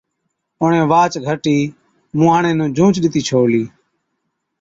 اُڻهين واهچ گھَرٽِي مُونهاڻي نُون جھُونچ ڏِتِي ڇوڙلِي۔